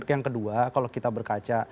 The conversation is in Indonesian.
yang kedua kalau kita berkaca